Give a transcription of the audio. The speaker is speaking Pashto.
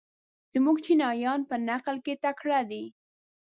زموږ چینایان په نقل کې تکړه دي.